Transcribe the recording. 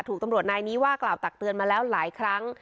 ถูกตำรวจนายนี้ว่ากล่าวตักเตือนมาแล้วหลายครั้ง